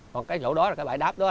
còn cái chỗ đó cái bãi đáp đó